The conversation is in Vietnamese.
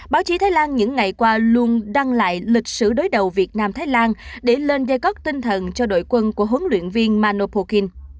báo chí thái lan những ngày qua luôn đăng lại lịch sử đối đầu việt nam thái lan để lên giai cấp tinh thần cho đội quân của huấn luyện viên manopokin